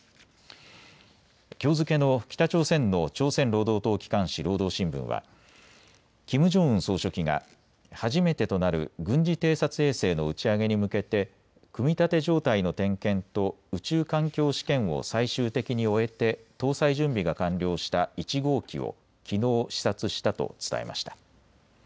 きょう付けの北朝鮮の朝鮮労働党機関紙、労働新聞はキム・ジョンウン総書記が初めてとなる軍事偵察衛星の打ち上げに向けて組み立て状態の点検と宇宙環境試験を最終的に終えて搭載準備が完了した１号機をきのう視察したと伝えました。